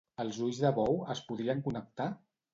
Els ulls de bou, es podrien connectar?